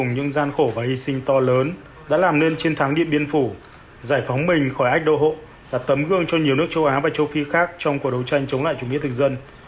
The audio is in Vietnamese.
những gian khổ và hy sinh to lớn đã làm nên chiến thắng điện biên phủ giải phóng mình khỏi ách đô hộ và tấm gương cho nhiều nước châu á và châu phi khác trong cuộc đấu tranh chống lại chủ nghĩa thực dân